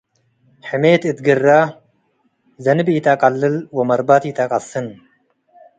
ሕሜት እት ግረ ዘንብ ኢትአቀልል ወመርባት ኢተአቀስን።